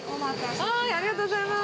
ありがとうございます。